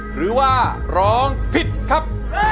หรือว่าร้องผิดครับ